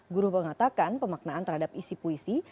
guru mengatakan pemaknaan terhadap isi puisi